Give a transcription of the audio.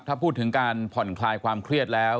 ถ้าพูดถึงการผ่อนคลายความเครียดแล้ว